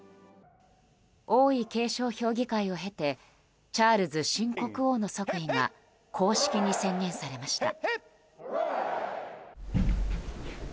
王位継承評議会を経てチャールズ新国王の即位が公式に宣言されました。